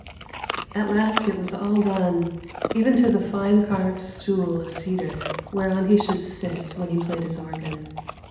At last it all was done, even to the fine carved stool of cedar whereon he should sit when he played his organ.